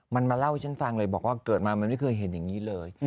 บอกว่าเปิดมาแล้วไม่เคยเห็นอย่างนี้เลย